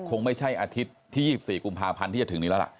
คงไม่ใช่อาทิตย์ที่๒๔กุมภาพันธ์ที่จะถึงนี้แล้วล่ะ